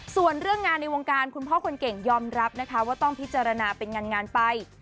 ส่วนเรื่องงานในวงการคุณพ่อคนเก่งยอมรับนะคะว่าต้องพิจารณาเป็นงานไป